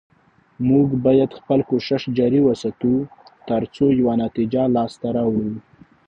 موږ باید خپل کوشش جاري وساتو، تر څو یوه نتیجه لاسته راوړو